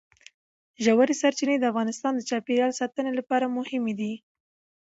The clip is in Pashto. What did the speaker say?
ژورې سرچینې د افغانستان د چاپیریال ساتنې لپاره مهمي دي.